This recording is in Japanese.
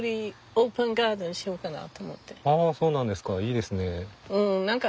ああそうなんですか。